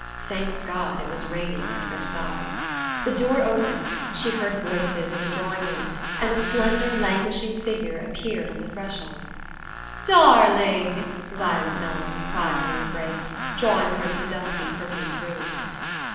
Thank God it was raining at Versailles! The door opened, she heard voices in the drawing room, and a slender languishing figure appeared on the threshold. "Darling!" Violet Melrose cried in an embrace, drawing her into the dusky perfumed room.